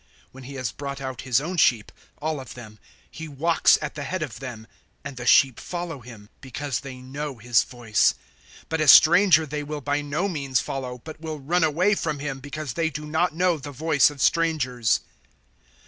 010:004 When he has brought out his own sheep all of them he walks at the head of them; and the sheep follow him, because they know his voice. 010:005 But a stranger they will by no means follow, but will run away from him, because they do not know the voice of strangers."